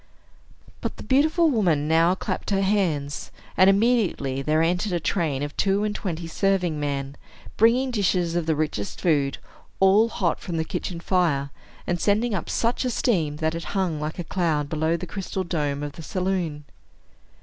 But the beautiful woman now clapped her hands; and immediately there entered a train of two and twenty serving men, bringing dishes of the richest food, all hot from the kitchen fire, and sending up such a steam that it hung like a cloud below the crystal dome of the saloon.